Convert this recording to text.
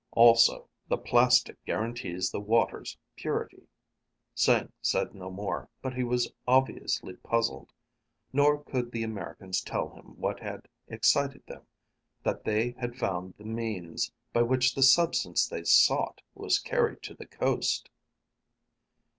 Also, the plastic guarantees the water's purity." Sing said no more, but he was obviously puzzled. Nor could the Americans tell him what had excited them, that they had found the means by which the substance they sought was carried to the coast.